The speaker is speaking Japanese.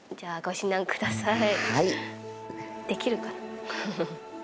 できるかな？